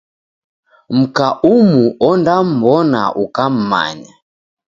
Mka umu ondam'mbona ukam'manya.